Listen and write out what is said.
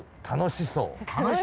楽しそう？